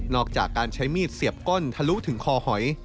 อกจากการใช้มีดเสียบก้นทะลุถึงคอหอย